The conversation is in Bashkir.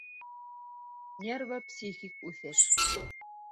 Нервы-психик үҫеш